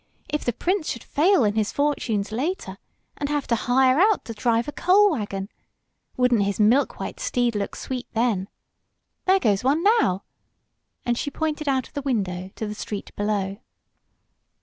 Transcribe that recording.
If the prince should fail in his fortunes later, and have to hire out to drive a coal wagon! Wouldn't his milk white steed look sweet then? There goes one now," and she pointed out of the window to the street below.